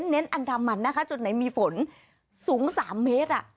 เน้นอันดามันนะคะจุดไหนมีฝนสูง๓เมตร